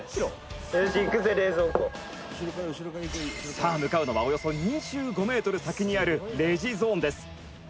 清水：「さあ、向かうのはおよそ２５ｍ先にあるレジゾーンです」